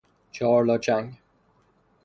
چهار لا چنگ